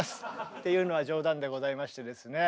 っていうのは冗談でございましてですね。